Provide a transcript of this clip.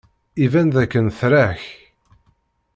Iban dakken tra-k.